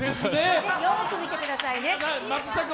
よく見てくださいね。